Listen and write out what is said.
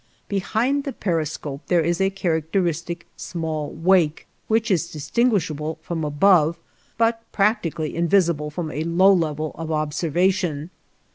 Behind the periscope, there is a characteristic small wake, which is distinguishable from above, but practically invisible from a low level of observation.